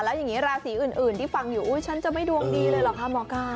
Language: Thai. แล้วยังงี้ราศีอื่นที่ฟังอยู่ฉันจะไม่ดวงดีเลยหรอกค่ะหมอกัย